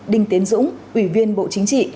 đinh tiến dũng ủy viên bộ chính trị